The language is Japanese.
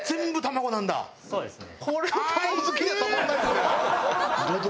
そうですね。